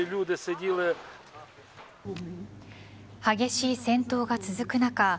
激しい戦闘が続く中